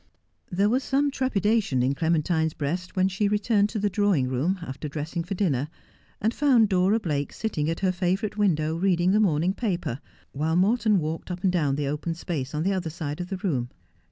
There was some trepidation in Clementine's breast when she returned to the drawing room, after dressing for dinner, and found Dora Blake sitting at her favourite window reading the morning paper, while Morton walked up and down the open space on the other side of the room.